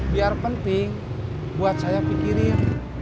biar penting buat saya pikirin